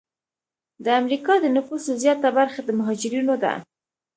د امریکا د نفوسو زیاته برخه د مهاجرینو ده.